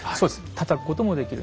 たたくこともできる。